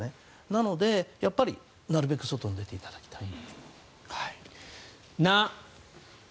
なので、なるべく外に出ていただきたい。